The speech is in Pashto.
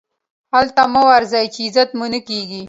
هلته مه ورځئ، چي عزت مو نه کېږي.